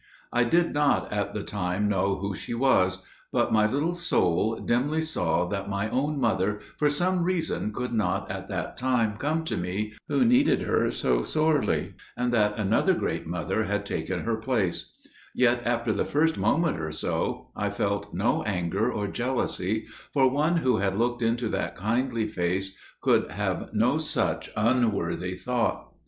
"I did not at the time know who she was, but my little soul dimly saw that my own mother for some reason could not at that time come to me who needed her so sorely, and that another great Mother had taken her place; yet, after the first moment or so, I felt no anger or jealousy, for one who had looked into that kindly face could have no such unworthy thought.